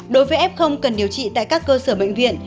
đối với f cần điều trị tại các cơ sở bệnh viện